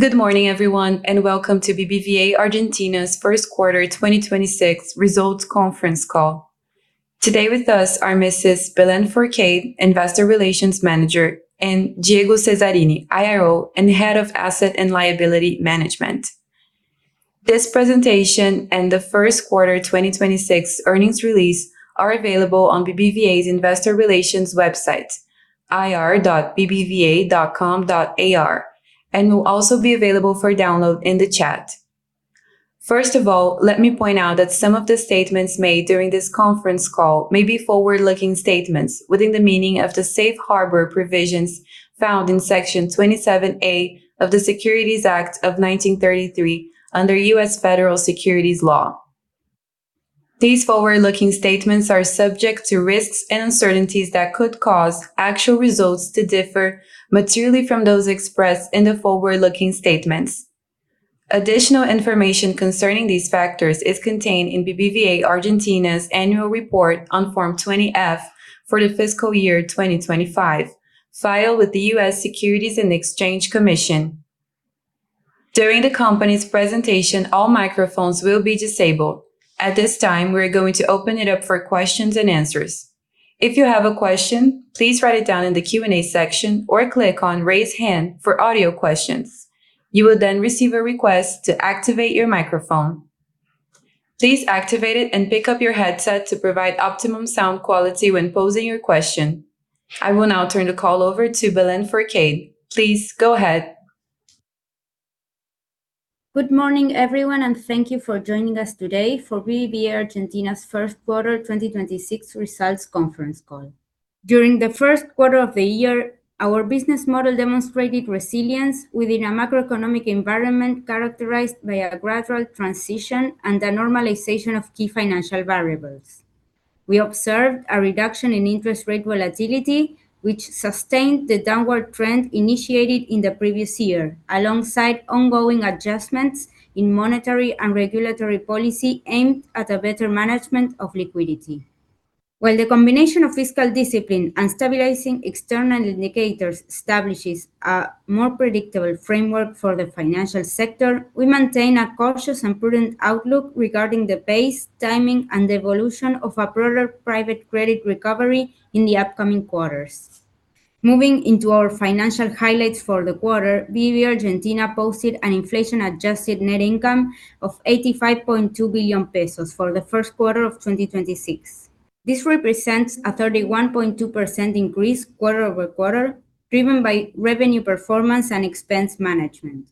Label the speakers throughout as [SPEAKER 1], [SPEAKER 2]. [SPEAKER 1] Good morning, everyone, and welcome to BBVA Argentina's first quarter 2026 results conference call. Today with us are Mrs. Belén Fourcade, Investor Relations Manager, and Diego Cesarini, IRO and Head of Asset and Liability Management. This presentation and the first quarter 2026 earnings release are available on BBVA's investor relations website, ir.bbva.com.ar, and will also be available for download in the chat. First of all, let me point out that some of the statements made during this conference call may be forward-looking statements within the meaning of the safe harbor provisions found in Section 27A of the Securities Act of 1933 under U.S. Federal Securities Law. These forward-looking statements are subject to risks and uncertainties that could cause actual results to differ materially from those expressed in the forward-looking statements. Additional information concerning these factors is contained in BBVA Argentina's annual report on Form 20-F for the fiscal year 2025, filed with the U.S. Securities and Exchange Commission. During the company's presentation, all microphones will be disabled. At this time, we are going to open it up for questions and answers. If you have a question, please write it down in the Q&A section or click on Raise Hand for audio questions. You will receive a request to activate your microphone. Please activate it and pick up your headset to provide optimum sound quality when posing your question. I will now turn the call over to Belén Fourcade. Please go ahead.
[SPEAKER 2] Good morning, everyone, and thank you for joining us today for BBVA Argentina's first quarter 2026 results conference call. During the first quarter of the year, our business model demonstrated resilience within a macroeconomic environment characterized by a gradual transition and the normalization of key financial variables. We observed a reduction in interest rate volatility, which sustained the downward trend initiated in the previous year, alongside ongoing adjustments in monetary and regulatory policy aimed at a better management of liquidity. While the combination of fiscal discipline and stabilizing external indicators establishes a more predictable framework for the financial sector, we maintain a cautious and prudent outlook regarding the pace, timing, and evolution of a broader private credit recovery in the upcoming quarters. Moving into our financial highlights for the quarter, BBVA Argentina posted an inflation-adjusted net income of 85.2 billion pesos for the first quarter of 2026. This represents a 31.2% increase quarter-over-quarter, driven by revenue performance and expense management.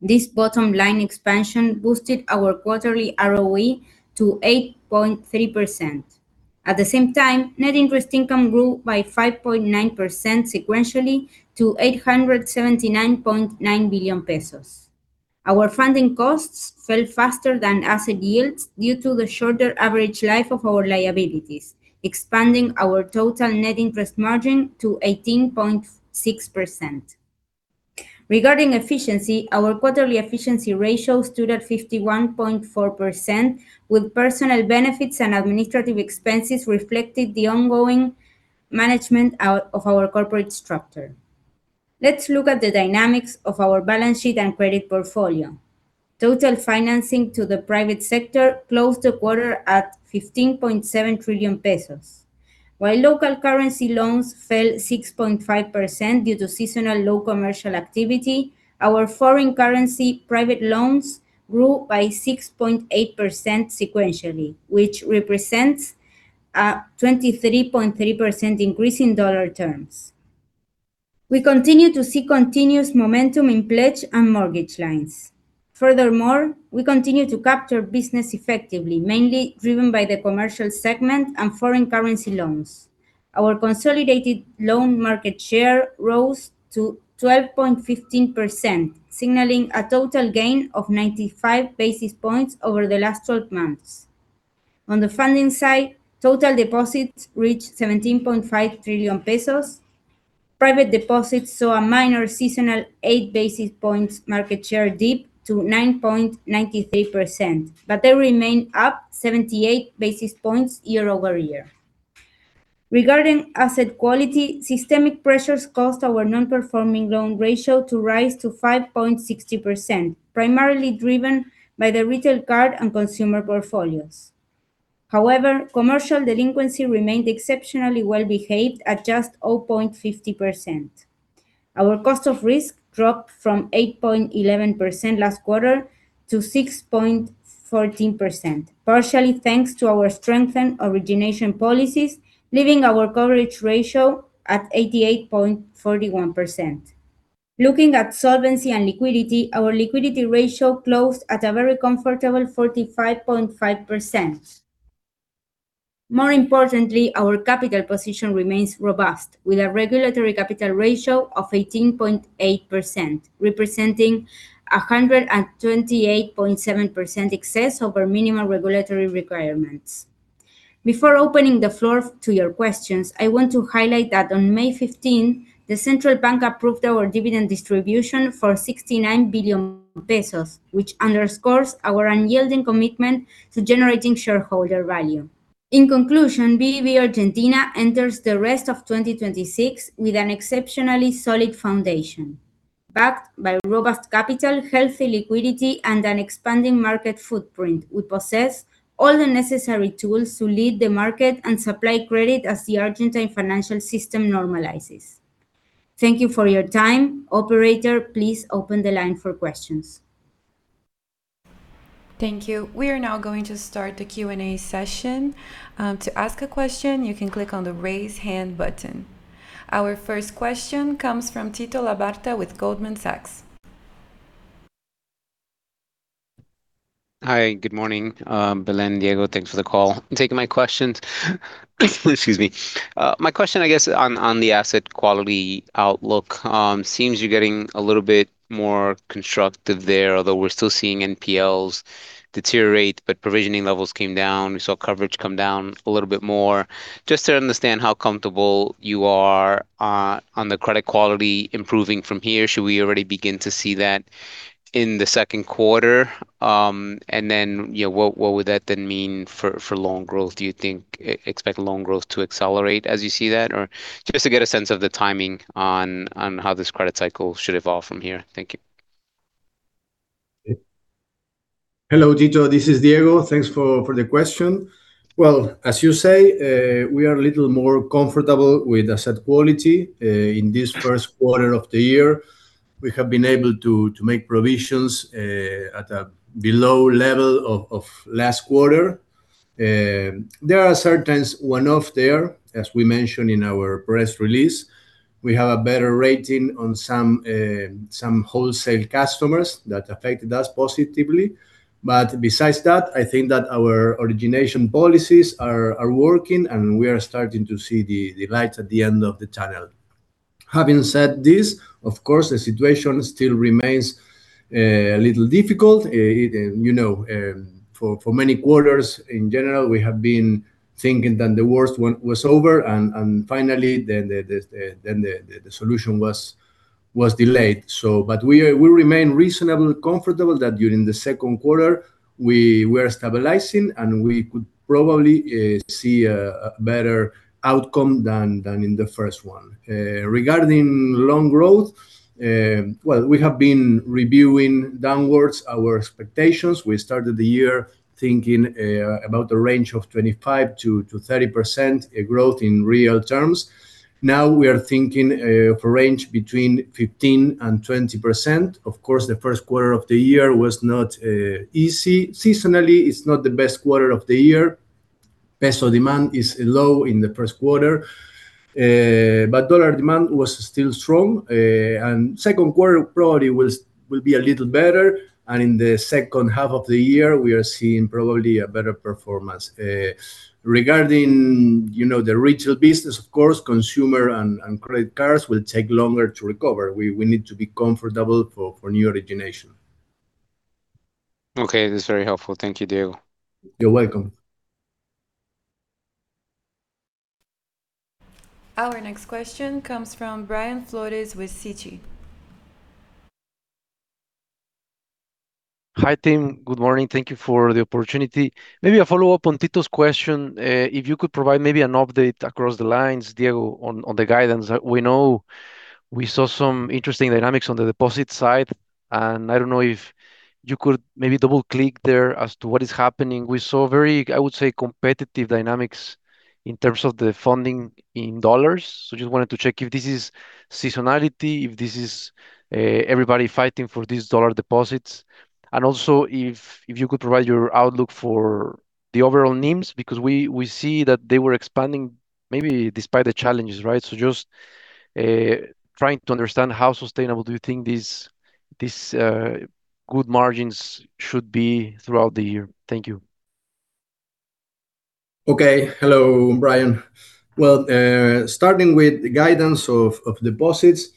[SPEAKER 2] This bottom-line expansion boosted our quarterly ROE to 8.3%. At the same time, net interest income grew by 5.9% sequentially to 879.9 billion pesos. Our funding costs fell faster than asset yields due to the shorter average life of our liabilities, expanding our total net interest margin to 18.6%. Regarding efficiency, our quarterly efficiency ratio stood at 51.4%, with personnel benefits and administrative expenses reflecting the ongoing management of our corporate structure. Let's look at the dynamics of our balance sheet and credit portfolio. Total financing to the private sector closed the quarter at 15.7 trillion pesos. While local currency loans fell 6.5% due to seasonal low commercial activity, our foreign currency private loans grew by 6.8% sequentially, which represents a 23.3% increase in dollar terms. We continue to see continuous momentum in pledge and mortgage lines. Furthermore, we continue to capture business effectively, mainly driven by the commercial segment and foreign currency loans. Our consolidated loan market share rose to 12.15%, signaling a total gain of 95 basis points over the last 12 months. On the funding side, total deposits reached 17.5 trillion pesos. Private deposits saw a minor seasonal 8 basis points market share dip to 9.93%, but they remain up 78 basis points year over year. Regarding asset quality, systemic pressures caused our non-performing loan ratio to rise to 5.60%, primarily driven by the retail card and consumer portfolios. However, commercial delinquency remained exceptionally well-behaved at just 0.50%. Our cost of risk dropped from 8.11% last quarter to 6.14%, partially thanks to our strengthened origination policies, leaving our coverage ratio at 88.41%. Looking at solvency and liquidity, our liquidity ratio closed at a very comfortable 45.5%. More importantly, our capital position remains robust with a regulatory capital ratio of 18.8%, representing 128.7% excess over minimum regulatory requirements. Before opening the floor to your questions, I want to highlight that on May 15, the Central Bank approved our dividend distribution for 69 billion pesos, which underscores our unyielding commitment to generating shareholder value. BBVA Argentina enters the rest of 2026 with an exceptionally solid foundation. Backed by robust capital, healthy liquidity, and an expanding market footprint, we possess all the necessary tools to lead the market and supply credit as the Argentine financial system normalizes. Thank you for your time. Operator, please open the line for questions.
[SPEAKER 1] Thank you. We are now going to start the Q&A session. To ask a question, you can click on the raise hand button. Our first question comes from Tito Labarta with Goldman Sachs.
[SPEAKER 3] Hi. Good morning, Belén, Diego. Thanks for the call. Excuse me. My question, I guess, on the asset quality outlook. Seems you're getting a little bit more constructive there, although we're still seeing NPLs deteriorate, but provisioning levels came down. We saw coverage come down a little bit more. Just to understand how comfortable you are on the credit quality improving from here, should we already begin to see that in the second quarter? What would that then mean for loan growth? Do you expect loan growth to accelerate as you see that? Just to get a sense of the timing on how this credit cycle should evolve from here. Thank you.
[SPEAKER 4] Hello, Tito. This is Diego. Thanks for the question. Well, as you say, we are a little more comfortable with asset quality, in this first quarter of the year. We have been able to make provisions at a below level of last quarter. There are certain one-off there, as we mentioned in our press release. We have a better rating on some wholesale customers that affected us positively. Besides that, I think that our origination policies are working, and we are starting to see the light at the end of the tunnel. Having said this, of course, the situation still remains a little difficult. For many quarters, in general, we have been thinking that the worst one was over, finally, then the solution was delayed. We remain reasonably comfortable that during the second quarter, we were stabilizing, and we could probably see a better outcome than in the first one. Regarding loan growth, well, we have been reviewing downwards our expectations. We started the year thinking about the range of 25%-30% growth in real terms. Now, we are thinking of a range between 15%-20%. Of course, the first quarter of the year was not easy. Seasonally, it's not the best quarter of the year. Peso demand is low in the first quarter. Dollar demand was still strong. Second quarter probably will be a little better. In the second half of the year, we are seeing probably a better performance. Regarding the retail business, of course, consumer and credit cards will take longer to recover. We need to be comfortable for new origination.
[SPEAKER 3] Okay. That's very helpful. Thank you, Diego.
[SPEAKER 4] You're welcome.
[SPEAKER 1] Our next question comes from Brian Flores with Citi.
[SPEAKER 5] Hi, team. Good morning. Thank you for the opportunity. Maybe a follow-up on Tito's question. If you could provide maybe an update across the lines, Diego, on the guidance. We know we saw some interesting dynamics on the deposit side. I don't know if you could maybe double-click there as to what is happening. We saw very, I would say, competitive dynamics in terms of the funding in dollars. Just wanted to check if this is seasonality, if this is everybody fighting for these dollar deposits. Also, if you could provide your outlook for the overall NIMs, because we see that they were expanding maybe despite the challenges, right? Just trying to understand how sustainable do you think these good margins should be throughout the year. Thank you.
[SPEAKER 4] Okay. Hello, Brian. Well, starting with the guidance of deposits,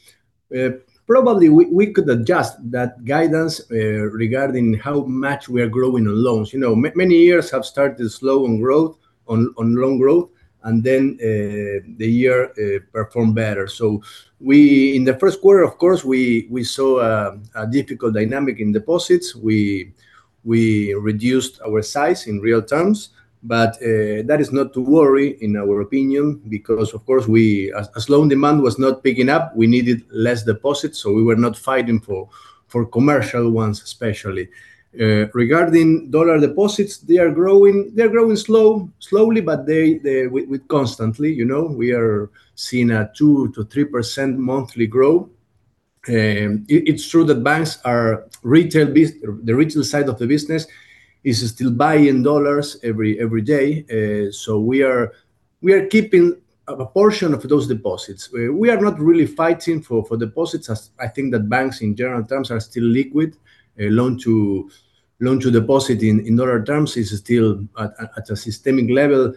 [SPEAKER 4] probably we could adjust that guidance, regarding how much we are growing on loans. Many years have started slow on loan growth and then the year performed better. In the first quarter, of course, we saw a difficult dynamic in deposits. We reduced our size in real terms, but that is not to worry, in our opinion, because, of course, as loan demand was not picking up, we needed less deposits, so we were not fighting for commercial ones, especially. Regarding dollar deposits, they are growing slowly, but constantly. We are seeing a 2%-3% monthly growth. It's true that banks, the retail side of the business, is still buying dollars every day. We are keeping a portion of those deposits. We are not really fighting for deposits, as I think that banks, in general terms, are still liquid. Loan to deposit in dollar terms is still, at a systemic level,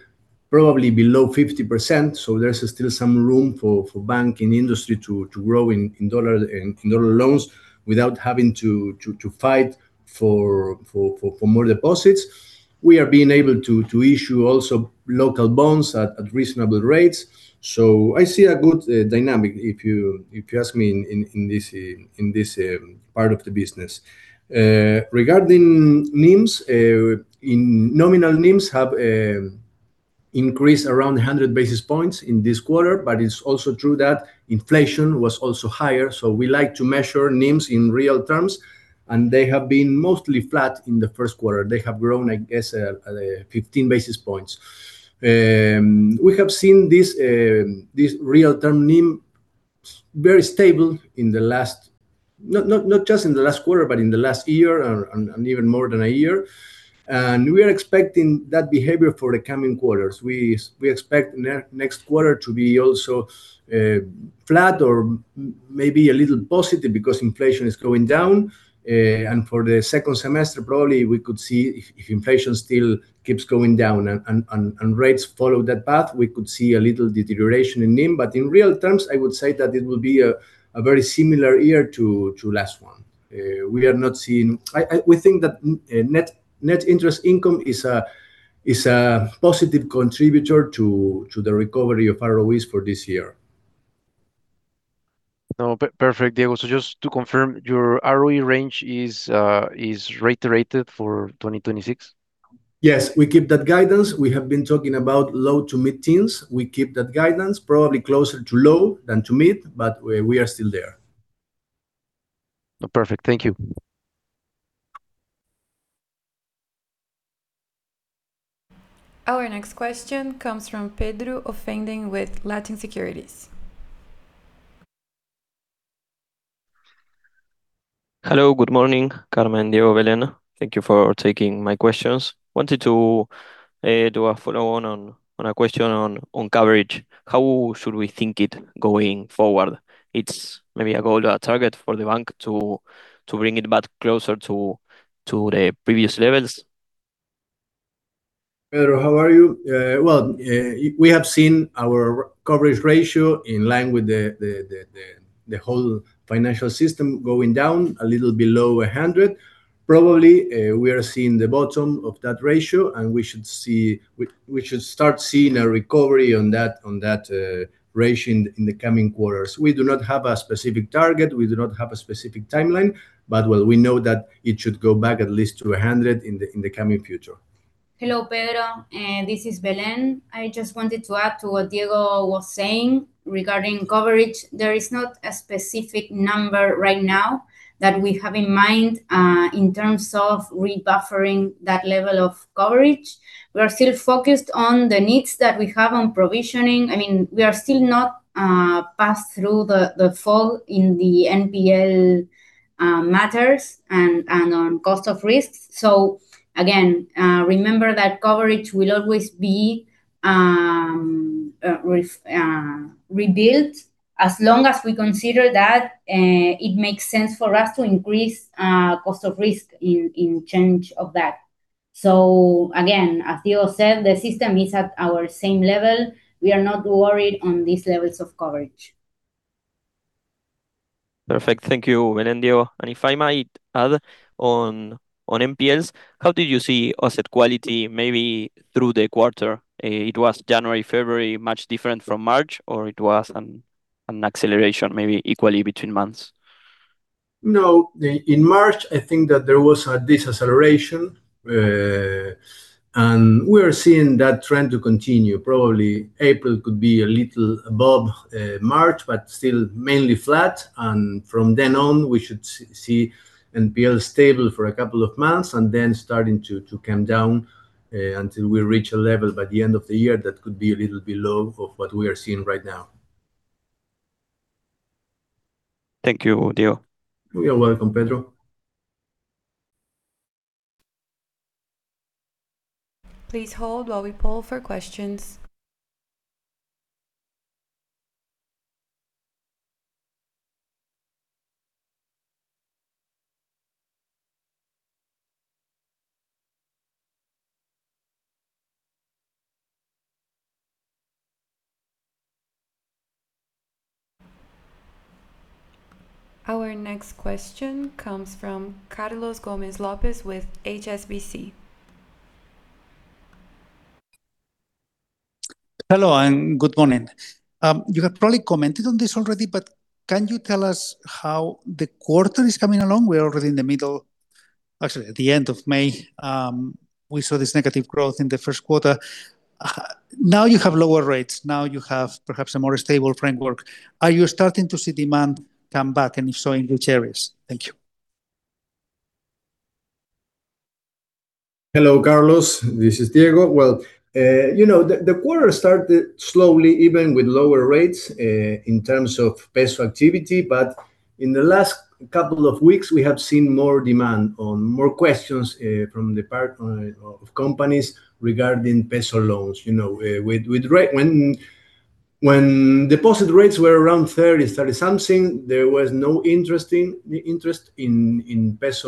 [SPEAKER 4] probably below 50%, so there's still some room for banking industry to grow in dollar loans without having to fight for more deposits. We are being able to issue also local bonds at reasonable rates. I see a good dynamic, if you ask me, in this part of the business. Regarding NIMs, nominal NIMs have increased around 100 basis points in this quarter, but it's also true that inflation was also higher. We like to measure NIMs in real terms, and they have been mostly flat in the first quarter. They have grown, I guess, 15 basis points. We have seen this real term NIM very stable, not just in the last quarter, but in the last year and even more than a year. We are expecting that behavior for the coming quarters. We expect next quarter to be also flat or maybe a little positive because inflation is going down. For the second semester, probably we could see, if inflation still keeps going down and rates follow that path, we could see a little deterioration in NIM. But in real terms, I would say that it will be a very similar year to last one. We think that net interest income is a positive contributor to the recovery of ROEs for this year.
[SPEAKER 5] No, perfect, Diego. Just to confirm, your ROE range is reiterated for 2026?
[SPEAKER 4] Yes, we keep that guidance. We have been talking about low to mid-teens. We keep that guidance, probably closer to low than to mid, but we are still there.
[SPEAKER 5] No, perfect. Thank you.
[SPEAKER 1] Our next question comes from Pedro Offenhenden with Latin Securities.
[SPEAKER 6] Hello. Good morning, Carmen, Diego, Belén. Thank you for taking my questions. I wanted to do a follow-on on a question on coverage. How should we think it going forward? It's maybe a goal or a target for the bank to bring it back closer to the previous levels.
[SPEAKER 4] Pedro, how are you? Well, we have seen our coverage ratio in line with the whole financial system going down a little below 100%. Probably, we are seeing the bottom of that ratio, and we should start seeing a recovery on that ratio in the coming quarters. We do not have a specific target. We do not have a specific timeline, but we know that it should go back at least to 100% in the coming future.
[SPEAKER 2] Hello, Pedro, this is Belén. I just wanted to add to what Diego was saying regarding coverage. There is not a specific number right now that we have in mind in terms of re-buffering that level of coverage. We are still focused on the needs that we have on provisioning. We are still not passed through the fall in the NPL matters and on cost of risks. Again, remember that coverage will always be rebuilt as long as we consider that it makes sense for us to increase cost of risk in change of that. Again, as Diego said, the system is at our same level. We are not worried on these levels of coverage.
[SPEAKER 6] Perfect. Thank you, Belén, Diego. If I might add on NPLs, how did you see asset quality, maybe through the quarter? It was January, February, much different from March, or it was an acceleration, maybe equally between months?
[SPEAKER 4] No. In March, I think that there was this acceleration. We are seeing that trend to continue. Probably April could be a little above March, but still mainly flat. From then on, we should see NPL stable for a couple of months and then starting to come down until we reach a level by the end of the year that could be a little below of what we are seeing right now.
[SPEAKER 6] Thank you, Diego.
[SPEAKER 4] You are welcome, Pedro.
[SPEAKER 1] Please hold while we poll for questions. Our next question comes from Carlos Gomez-López with HSBC.
[SPEAKER 7] Hello, and good morning. You have probably commented on this already, but can you tell us how the quarter is coming along? We're already in the middle, actually, at the end of May. We saw this negative growth in the first quarter. You have lower rates. You have perhaps a more stable framework. Are you starting to see demand come back, and if so, in which areas? Thank you.
[SPEAKER 4] Hello, Carlos. This is Diego. Well, the quarter started slowly, even with lower rates, in terms of ARS activity. In the last couple of weeks, we have seen more demand or more questions from the part of companies regarding ARS loans. When deposit rates were around 30-something, there was no interest in ARS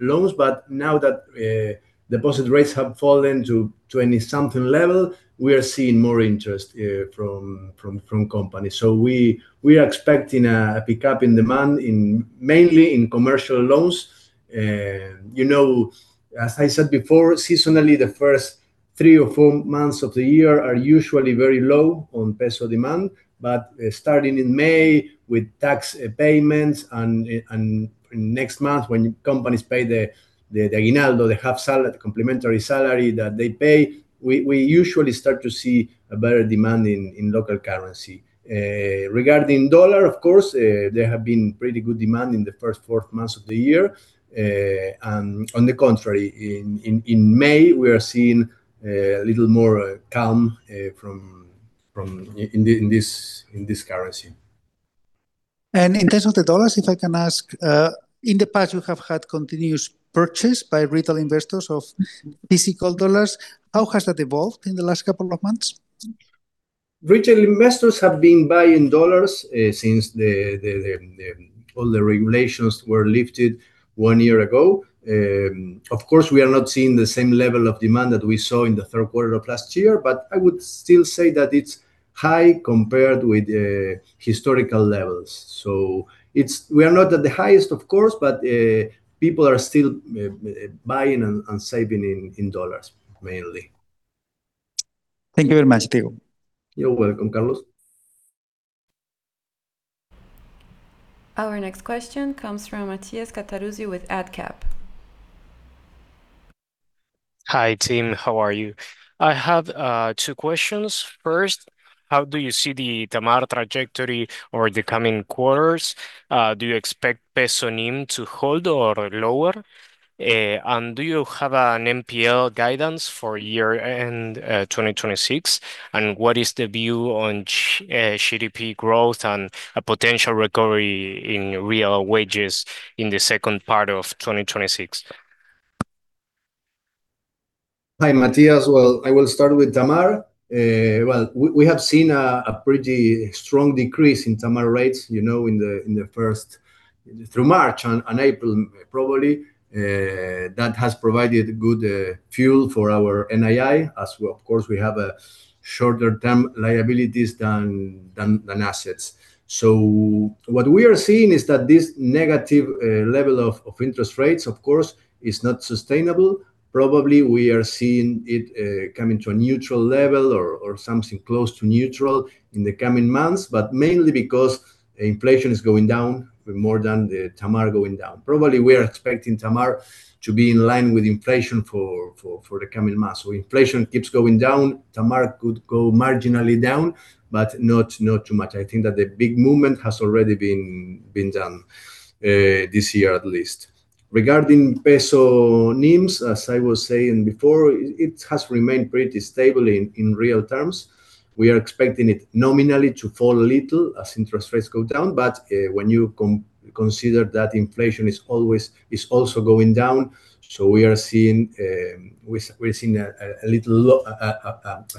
[SPEAKER 4] loans. Now that deposit rates have fallen to a 20-something level, we are seeing more interest from companies. We are expecting a pickup in demand, mainly in commercial loans. As I said before, seasonally, the first three or four months of the year are usually very low on ARS demand, starting in May with tax payments and next month when companies pay the aguinaldo, the half complementary salary that they pay, we usually start to see a better demand in ARS. Regarding dollar, of course, there have been pretty good demand in the first four months of the year. On the contrary, in May, we are seeing a little more calm in this currency.
[SPEAKER 7] In terms of the dollars, if I can ask, in the past, you have had continuous purchase by retail investors of physical dollars. How has that evolved in the last couple of months?
[SPEAKER 4] Retail investors have been buying U.S. dollars since all the regulations were lifted one year ago. Of course, we are not seeing the same level of demand that we saw in the third quarter of last year, but I would still say that it's high compared with historical levels. We are not at the highest, of course, but people are still buying and saving in U.S. dollars mainly.
[SPEAKER 7] Thank you very much, Diego.
[SPEAKER 4] You're welcome, Carlos.
[SPEAKER 1] Our next question comes from Matias Cattaruzzi with Adcap.
[SPEAKER 8] Hi, team. How are you? I have two questions. First, how do you see the TAMAR trajectory over the coming quarters? Do you expect peso NIM to hold or lower? Do you have an NPL guidance for year-end 2026? What is the view on GDP growth and a potential recovery in real wages in the second part of 2026?
[SPEAKER 4] Hi, Matias. I will start with TAMAR. We have seen a pretty strong decrease in TAMAR rates through March and April, probably. That has provided good fuel for our NII, as, of course, we have shorter-term liabilities than assets. What we are seeing is that this negative level of interest rates, of course, is not sustainable. Probably, we are seeing it coming to a neutral level or something close to neutral in the coming months, mainly because inflation is going down more than the TAMAR going down. Probably, we are expecting TAMAR to be in line with inflation for the coming months. Inflation keeps going down, TAMAR could go marginally down, not too much. I think that the big movement has already been done, this year at least. Regarding peso NIMs, as I was saying before, it has remained pretty stable in real terms. We are expecting it nominally to fall a little as interest rates go down. When you consider that inflation is also going down, we are seeing a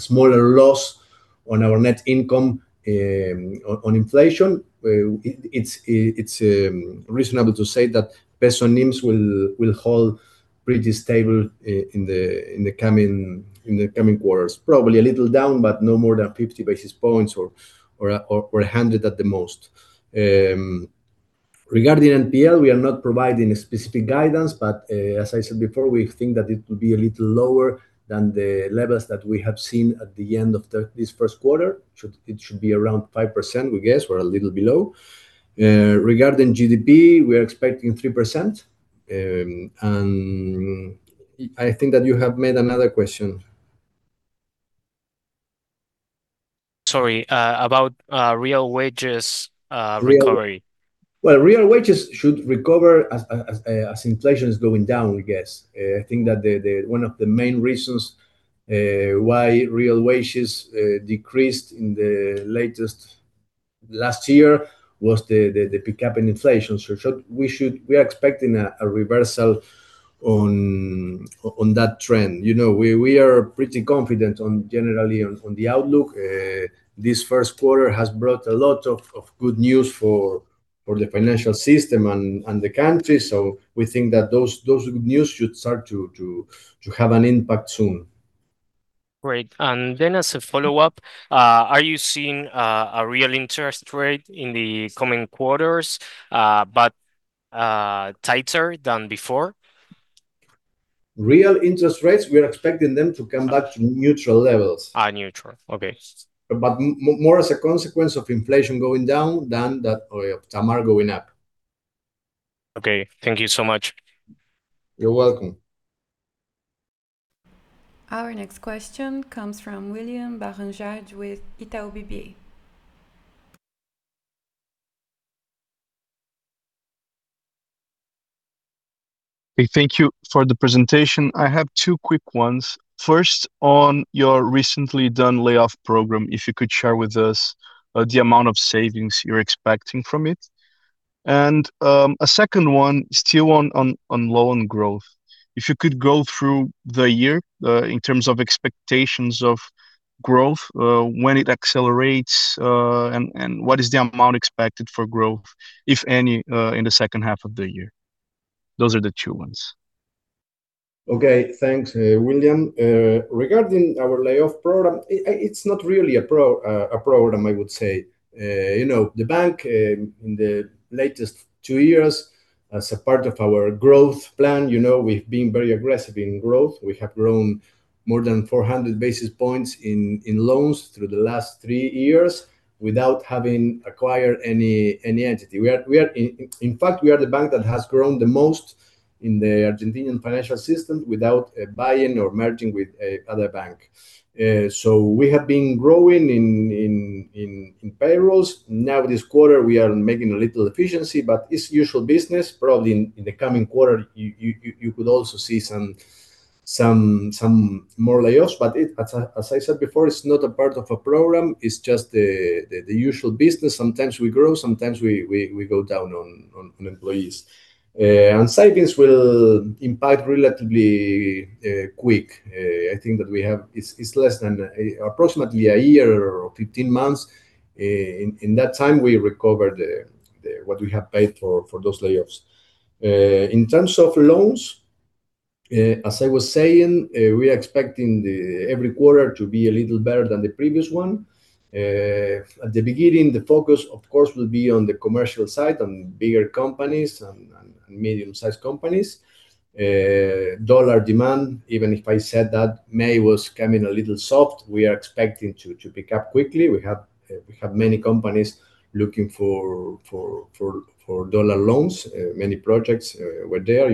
[SPEAKER 4] smaller loss on our net income on inflation. It's reasonable to say that peso NIMs will hold pretty stable in the coming quarters. Probably a little down, no more than 50 basis points or 100 at the most. Regarding NPL, we are not providing a specific guidance. As I said before, we think that it will be a little lower than the levels that we have seen at the end of this first quarter. It should be around 5%, we guess, or a little below. Regarding GDP, we are expecting 3%. I think that you have made another question.
[SPEAKER 8] Sorry, about real wages recovery.
[SPEAKER 4] Well, real wages should recover as inflation is going down, we guess. I think that one of the main reasons why real wages decreased in the latest last year was the pickup in inflation. We are expecting a reversal on that trend. We are pretty confident generally on the outlook. This first quarter has brought a lot of good news for the financial system and the country, we think that those good news should start to have an impact soon.
[SPEAKER 8] Great. As a follow-up, are you seeing a real interest rate in the coming quarters, but tighter than before?
[SPEAKER 4] Real interest rates, we are expecting them to come back to neutral levels.
[SPEAKER 8] Neutral. Okay.
[SPEAKER 4] More as a consequence of inflation going down than TAMAR going up.
[SPEAKER 8] Okay. Thank you so much.
[SPEAKER 4] You're welcome.
[SPEAKER 1] Our next question comes from William Barranjard with Itaú BBA.
[SPEAKER 9] Thank you for the presentation. I have two quick ones. First, on your recently done layoff program, if you could share with us the amount of savings you're expecting from it. A second one, still on loan growth. If you could go through the year, in terms of expectations of growth, when it accelerates, and what is the amount expected for growth, if any, in the second half of the year? Those are the two ones.
[SPEAKER 4] Okay. Thanks, William. Regarding our layoff program, it's not really a program, I would say. The bank, in the latest two years, as a part of our growth plan, we've been very aggressive in growth. We have grown more than 400 basis points in loans through the last three years without having acquired any entity. In fact, we are the bank that has grown the most in the Argentinian financial system without buying or merging with another bank. We have been growing in payrolls. Now, this quarter, we are making a little efficiency, but it's usual business. Probably in the coming quarter, you could also see some more layoffs. As I said before, it's not a part of a program, it's just the usual business. Sometimes we grow, sometimes we go down on employees. Savings will impact relatively quick. I think that it's less than approximately a year or 15 months. In that time, we recover what we have paid for those layoffs. In terms of loans, as I was saying, we are expecting every quarter to be a little better than the previous one. At the beginning, the focus, of course, will be on the commercial side, on bigger companies and medium-sized companies. Dollar demand, even if I said that May was coming a little soft, we are expecting to pick up quickly. We have many companies looking for dollar loans. Many projects were there.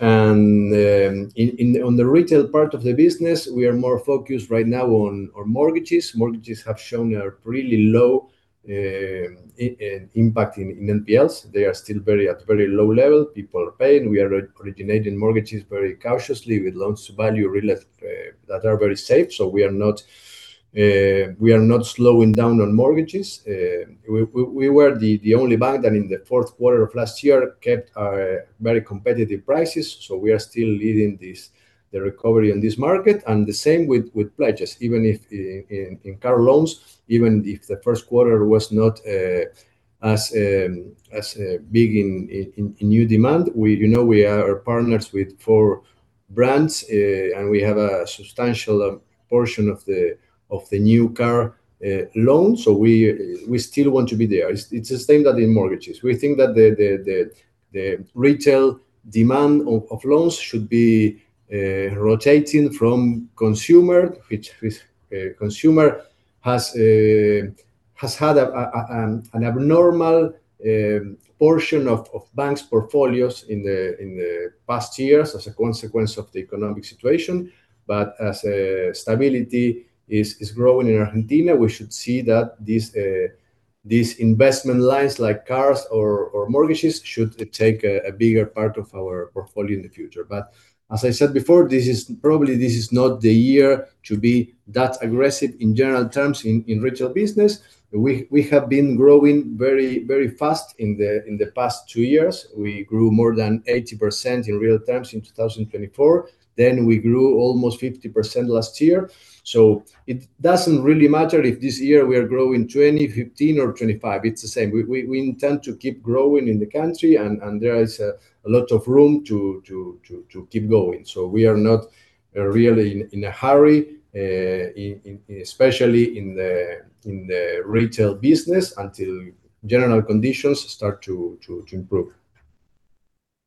[SPEAKER 4] On the retail part of the business, we are more focused right now on our mortgages. Mortgages have shown a really low impact in NPLs. They are still at a very low level. People are paying. We are originating mortgages very cautiously with loans to value that are very safe. We are not slowing down on mortgages. We were the only bank that, in the fourth quarter of last year, kept our very competitive prices, we are still leading the recovery in this market. The same with pledges, even if in car loans, even if the first quarter was not as big in new demand. We are partners with four brands, we have a substantial portion of the new car loans. We still want to be there. It's the same as in mortgages. We think that the retail demand of loans should be rotating from consumer, which consumer has had an abnormal portion of banks' portfolios in the past years as a consequence of the economic situation. As stability is growing in Argentina, we should see that these investment lines, like cars or mortgages, should take a bigger part of our portfolio in the future. As I said before, probably this is not the year to be that aggressive in general terms in retail business. We have been growing very fast in the past two years. We grew more than 80% in real terms in 2024. We grew almost 50% last year. It doesn't really matter if this year we are growing 20%, 15%, or 25%. It's the same. We intend to keep growing in the country, and there is a lot of room to keep going. We are not really in a hurry, especially in the retail business, until general conditions start to improve.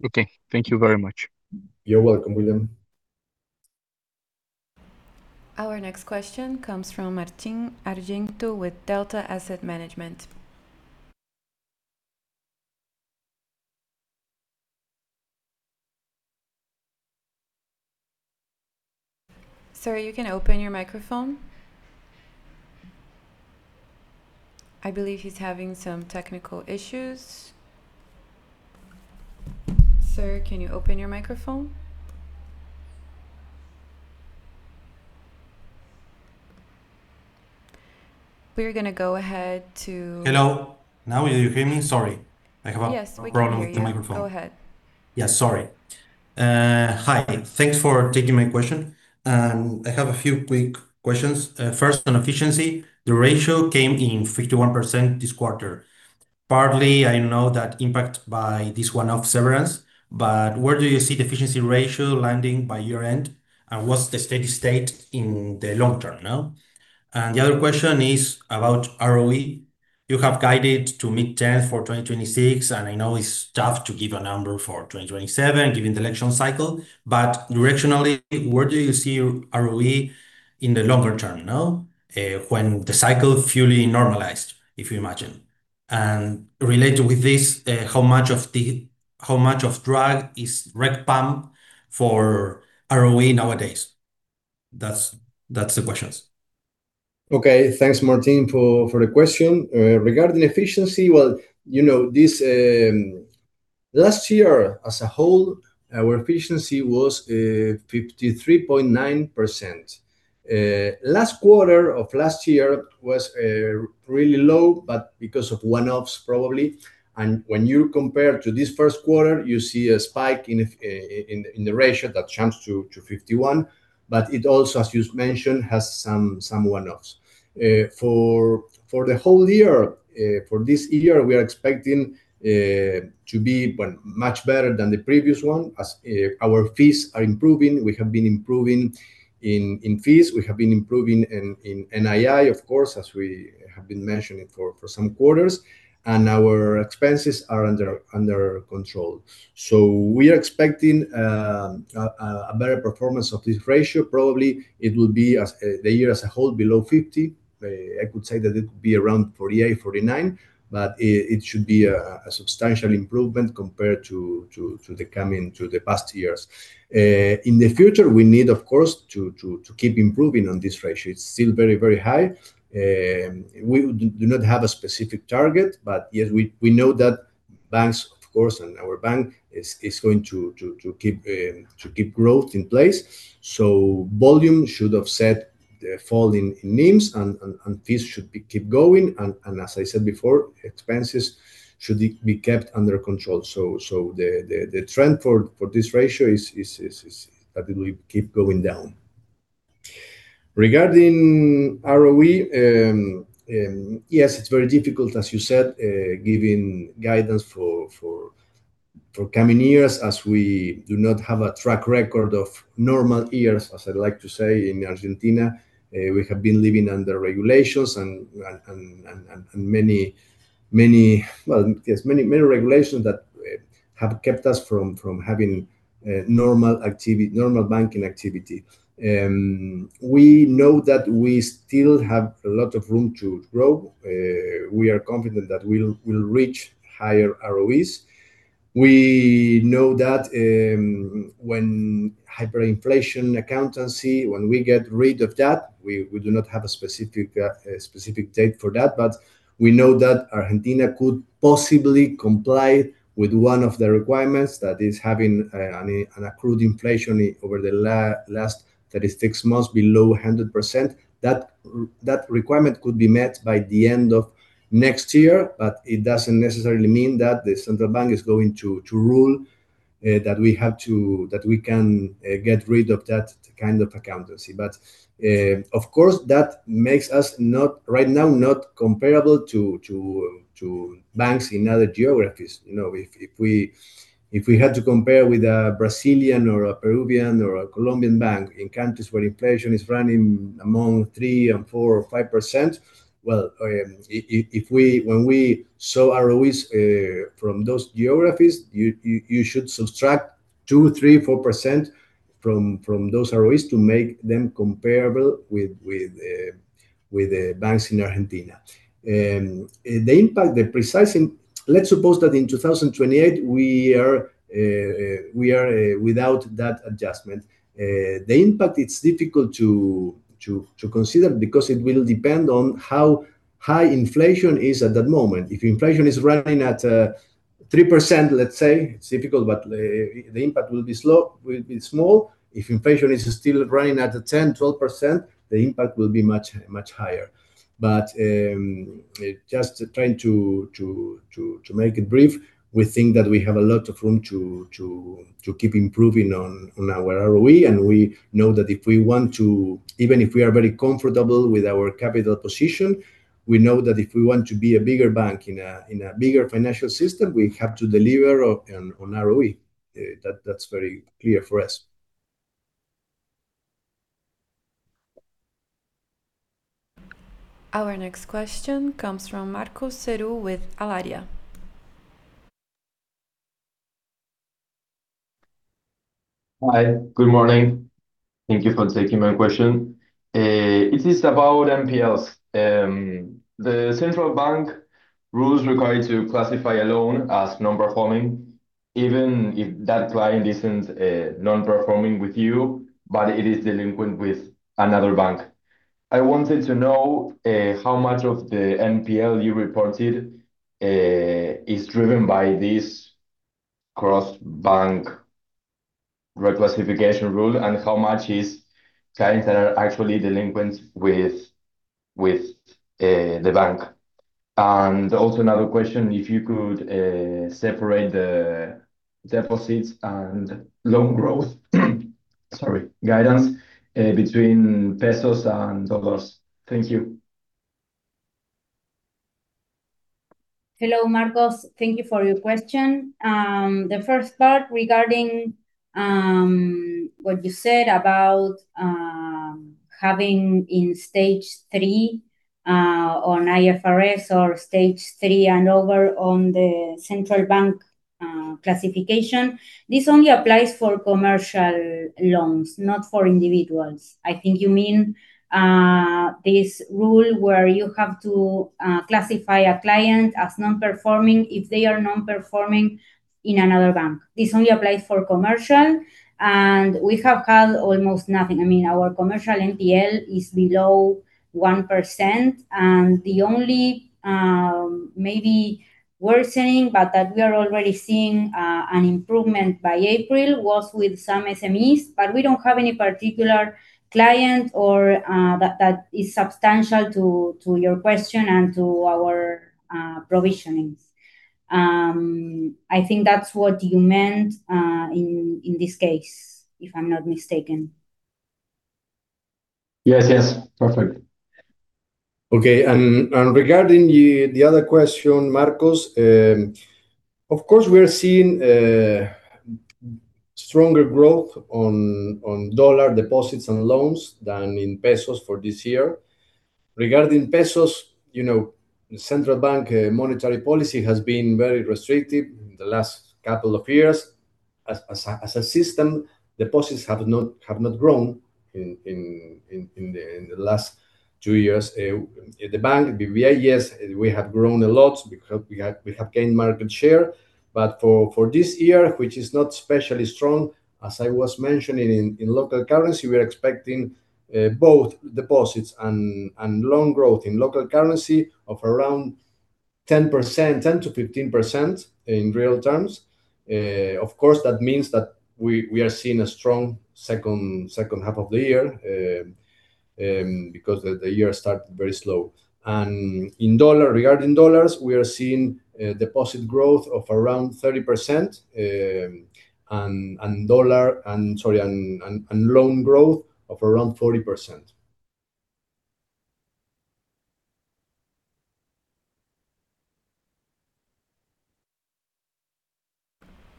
[SPEAKER 9] Okay. Thank you very much.
[SPEAKER 4] You're welcome, William.
[SPEAKER 1] Our next question comes from Martín Argento with Delta Asset Management. Sir, you can open your microphone. I believe he's having some technical issues. Sir, can you open your microphone? We're gonna go ahead to-
[SPEAKER 10] Hello. Now you hear me? Sorry.
[SPEAKER 1] Yes, we can hear you.
[SPEAKER 10] Problem with the microphone.
[SPEAKER 1] Go ahead.
[SPEAKER 10] Yeah, sorry. Hi. Thanks for taking my question. I have a few quick questions. First, on efficiency, the ratio came in 51% this quarter. Partly, I know that impact by this one-off severance, where do you see the efficiency ratio landing by year-end, and what's the steady state in the long term now? The other question is about ROE. You have guided to mid-teens for 2026, I know it's tough to give a number for 2027, given the election cycle. Directionally, where do you see ROE in the longer term now, when the cycle fully normalized, if you imagine? Related with this, how much of drag is RECPAM for ROE nowadays? That's the questions.
[SPEAKER 4] Okay. Thanks, Martin, for the question. Regarding efficiency, well, last year as a whole, our efficiency was 53.9%. Last quarter of last year was really low, but because of one-offs probably. When you compare to this first quarter, you see a spike in the ratio that jumps to 51%. It also, as you mentioned, has some one-offs. For the whole year, for this year, we are expecting to be much better than the previous one as our fees are improving. We have been improving in fees. We have been improving in NII, of course, as we have been mentioning for some quarters. Our expenses are under control. We are expecting a better performance of this ratio. Probably it will be, the year as a whole, below 50%. I could say that it could be around 48%, 49%, but it should be a substantial improvement compared to the past years. In the future, we need, of course, to keep improving on this ratio. It's still very high. We do not have a specific target, yet we know that banks, of course, and our bank is going to keep growth in place. Volume should offset the fall in NIMs, and fees should keep going, and as I said before, expenses should be kept under control. The trend for this ratio is that it will keep going down. Regarding ROE, yes, it's very difficult, as you said, giving guidance for coming years, as we do not have a track record of normal years, as I like to say, in Argentina. We have been living under regulations and many regulations that have kept us from having normal banking activity. We know that we still have a lot of room to grow. We are confident that we'll reach higher ROEs. We know that when hyperinflation accountancy, when we get rid of that, we do not have a specific date for that. We know that Argentina could possibly comply with one of the requirements. That is, having an accrued inflation over the last statistics must be below 100%. That requirement could be met by the end of next year. It doesn't necessarily mean that the Central Bank is going to rule that we can get rid of that kind of accountancy. Of course, that makes us, right now, not comparable to banks in other geographies. If we had to compare with a Brazilian or a Peruvian or a Colombian bank in countries where inflation is running among 3% and 4% or 5%, well, when we saw ROEs from those geographies, you should subtract 2%, 3%, 4% from those ROEs to make them comparable with banks in Argentina. The impact, the precise impact, let's suppose that in 2028, we are without that adjustment. The impact, it's difficult to consider because it will depend on how high inflation is at that moment. If inflation is running at 3%, let's say, it's difficult, but the impact will be small. If inflation is still running at 10%, 12%, the impact will be much higher. Just trying to make it brief, we think that we have a lot of room to keep improving on our ROE, and we know that if we want to, even if we are very comfortable with our capital position, we know that if we want to be a bigger bank in a bigger financial system, we have to deliver on ROE. That's very clear for us.
[SPEAKER 1] Our next question comes from Marcos Serú with Allaria.
[SPEAKER 11] Hi. Good morning. Thank you for taking my question. It is about NPLs. The central bank rules require to classify a loan as non-performing, even if that client isn't non-performing with you, but it is delinquent with another bank. I wanted to know how much of the NPL you reported is driven by this cross-bank reclassification rule, and how much is clients that are actually delinquent with the bank. Also, another question, if you could separate the deposits and loan growth, sorry, guidance between ARS and USD. Thank you.
[SPEAKER 2] Hello, Marcos. Thank you for your question. The first part, regarding what you said about having in stage three on IFRS or stage three and over on the Central Bank classification, this only applies for commercial loans, not for individuals. I think you mean this rule where you have to classify a client as non-performing if they are non-performing in another bank. This only applies for commercial, and we have had almost nothing. Our commercial NPL is below 1%, and the only maybe worsening, but that we are already seeing an improvement by April was with some SMEs, but we don't have any particular client or that is substantial to your question and to our provisionings. I think that's what you meant in this case, if I'm not mistaken.
[SPEAKER 11] Yes. Perfect.
[SPEAKER 4] Okay. Regarding the other question, Marcos, of course, we are seeing stronger growth on USD deposits and loans than in pesos for this year. Regarding pesos, Central Bank monetary policy has been very restrictive in the last couple of years. As a system, deposits have not grown in the last two years. The bank, BBVA, yes, we have grown a lot. We have gained market share, for this year, which is not especially strong, as I was mentioning in local currency, we are expecting both deposits and loan growth in local currency of around 10%-15% in real terms. Of course, that means that we are seeing a strong second half of the year, because the year started very slow. Regarding USD, we are seeing deposit growth of around 30%, and loan growth of around 40%.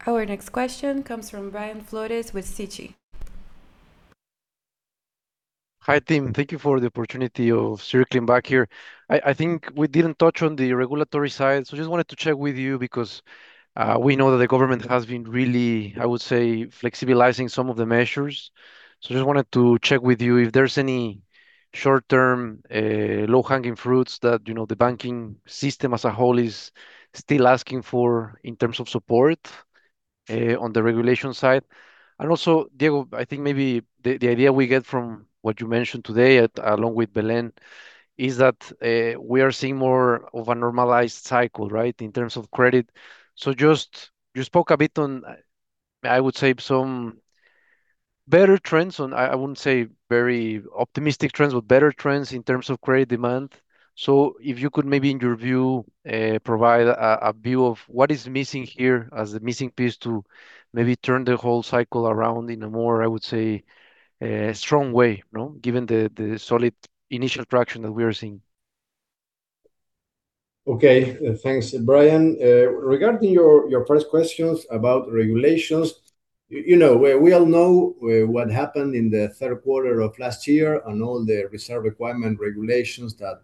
[SPEAKER 1] Our next question comes from Brian Flores with Citi.
[SPEAKER 5] Hi, team. Thank you for the opportunity of circling back here. I think we didn't touch on the regulatory side. Just wanted to check with you because we know that the government has been really, I would say, flexibilizing some of the measures. Just wanted to check with you if there's any short-term, low-hanging fruits that the banking system as a whole is still asking for in terms of support on the regulation side. Diego, I think maybe the idea we get from what you mentioned today, along with Belén, is that, we are seeing more of a normalized cycle, right, in terms of credit. Just, you spoke a bit on, I would say, some better trends on, I wouldn't say very optimistic trends, but better trends in terms of credit demand. If you could maybe, in your view, provide a view of what is missing here as the missing piece to maybe turn the whole cycle around in a more, I would say, strong way given the solid initial traction that we are seeing.
[SPEAKER 4] Thanks, Brian. Regarding your first questions about regulations, we all know what happened in the third quarter of last year and all the reserve requirement regulations that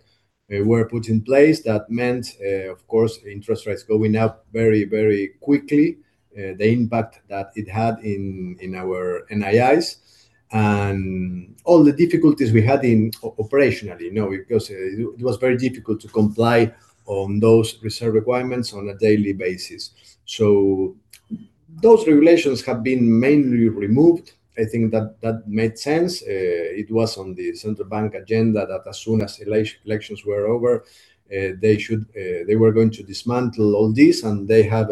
[SPEAKER 4] were put in place. That meant, of course, interest rates going up very, very quickly. The impact that it had in our NIIs and all the difficulties we had operationally, because it was very difficult to comply on those reserve requirements on a daily basis. Those regulations have been mainly removed. I think that made sense. It was on the Central Bank agenda that as soon as elections were over, they were going to dismantle all this, and they have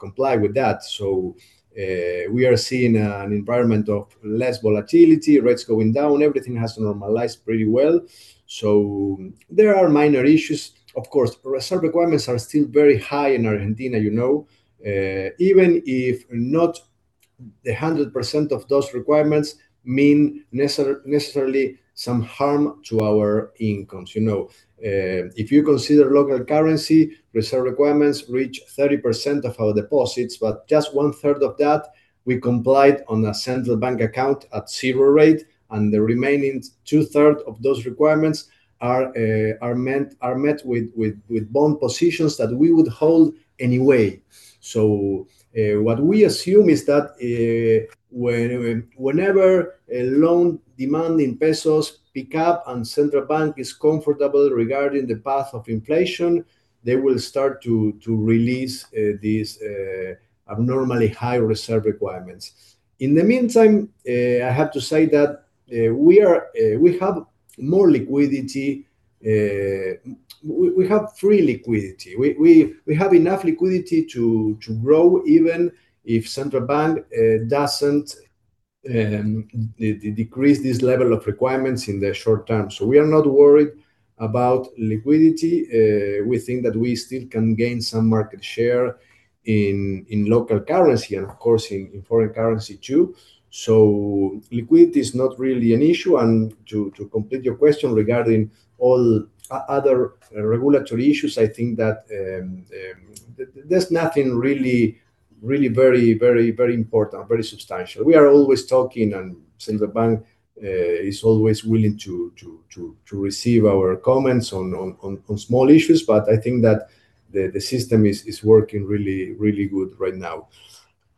[SPEAKER 4] complied with that. We are seeing an environment of less volatility, rates going down. Everything has normalized pretty well. There are minor issues. Of course, reserve requirements are still very high in Argentina, even if not the 100% of those requirements mean necessarily some harm to our incomes. If you consider local currency, reserve requirements reach 30% of our deposits, but just 1/3 of that, we complied on a Central Bank account at zero rate, and the remaining 2/3 of those requirements are met with bond positions that we would hold anyway. What we assume is that whenever a loan demand in ARS pick up and Central Bank is comfortable regarding the path of inflation, they will start to release these abnormally high reserve requirements. In the meantime, I have to say that we have more liquidity. We have free liquidity. We have enough liquidity to grow, even if Central Bank doesn't decrease this level of requirements in the short term. We are not worried about liquidity. We think that we still can gain some market share in local currency and, of course, in foreign currency, too. Liquidity is not really an issue. To complete your question regarding all other regulatory issues, I think that there's nothing really very important, very substantial. We are always talking, and Central Bank is always willing to receive our comments on small issues. I think that the system is working really good right now.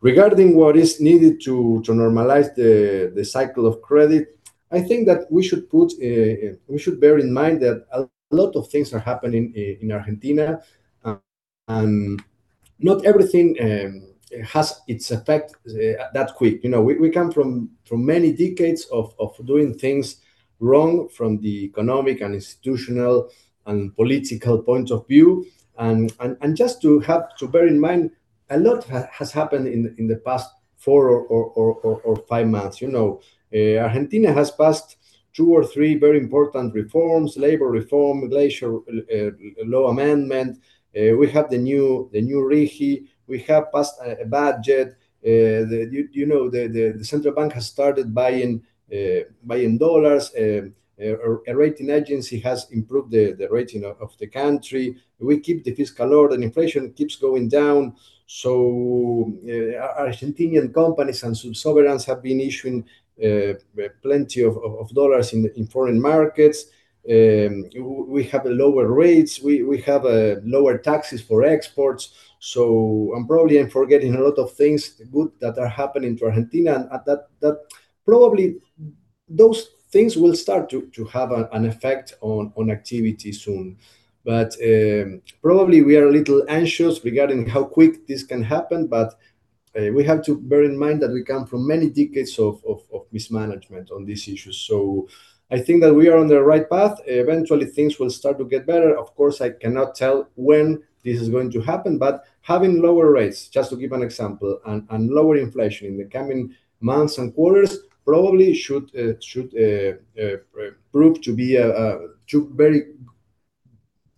[SPEAKER 4] Regarding what is needed to normalize the cycle of credit, I think that we should bear in mind that a lot of things are happening in Argentina and not everything has its effect that quick. We come from many decades of doing things wrong from the economic and institutional and political points of view. Just to have to bear in mind, a lot has happened in the past four or five months. Argentina has passed two or three very important reforms, labor reform, Glacier Law amendment. We have the new RIGI. We have passed a budget. The Central Bank has started buying USD. A rating agency has improved the rating of the country. We keep the fiscal load, and inflation keeps going down. Argentinian companies and some sovereigns have been issuing plenty of USD in foreign markets. We have lower rates. We have lower taxes for exports. I'm probably forgetting a lot of things good that are happening to Argentina, and that probably those things will start to have an effect on activity soon. Probably we are a little anxious regarding how quick this can happen, but we have to bear in mind that we come from many decades of mismanagement on these issues. I think that we are on the right path. Eventually, things will start to get better. Of course, I cannot tell when this is going to happen, having lower rates, just to give an example, and lower inflation in the coming months and quarters probably should prove to be two very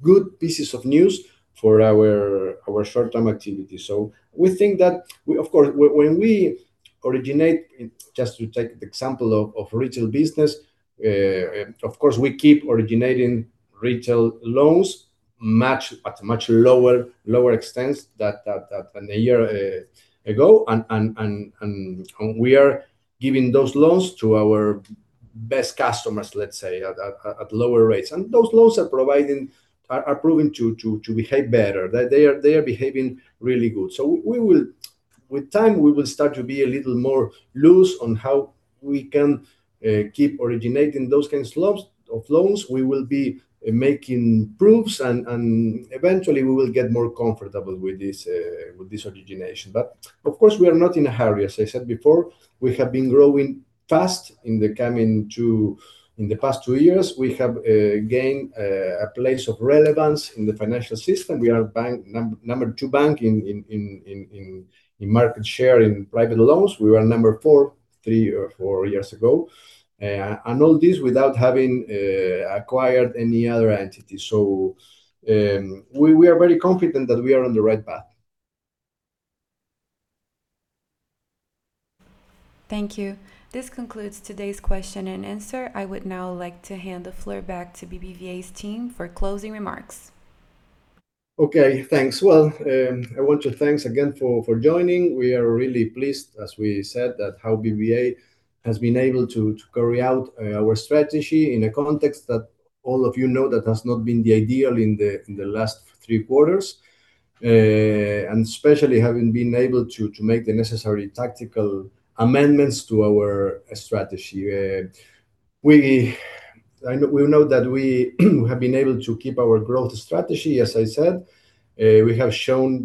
[SPEAKER 4] good pieces of news for our short-term activity. We think that, of course, when we originate, just to take the example of retail business, of course, we keep originating retail loans at a much lower extents than a year ago. We are giving those loans to our best customers, let's say, at lower rates. Those loans are proving to behave better. They are behaving really good. With time, we will start to be a little more loose on how we can keep originating those kinds of loans. We will be making proofs, and eventually, we will get more comfortable with this origination. Of course, we are not in a hurry. As I said before, we have been growing fast in the past two years. We have gained a place of relevance in the financial system. We are number two bank in market share in private loans. We were number four, three or four years ago. All this without having acquired any other entity. We are very confident that we are on the right path.
[SPEAKER 1] Thank you. This concludes today's Q&A. I would now like to hand the floor back to BBVA's team for closing remarks.
[SPEAKER 4] Okay, thanks. Well, I want to thank again for joining. We are really pleased, as we said, at how BBVA has been able to carry out our strategy in a context that all of you know that has not been the ideal in the last three quarters, and especially having been able to make the necessary tactical amendments to our strategy. We know that we have been able to keep our growth strategy, as I said. We have shown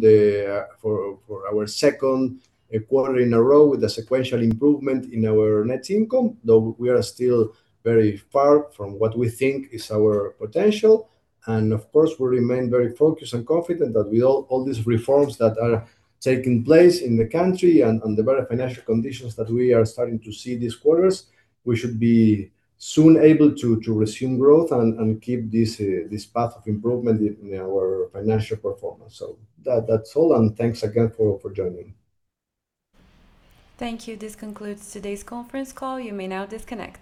[SPEAKER 4] for our second quarter in a row with a sequential improvement in our net income, though we are still very far from what we think is our potential. Of course, we remain very focused and confident that with all these reforms that are taking place in the country and the better financial conditions that we are starting to see these quarters, we should be soon able to resume growth and keep this path of improvement in our financial performance. That's all, and thanks again for joining.
[SPEAKER 1] Thank you. This concludes today's conference call. You may now disconnect.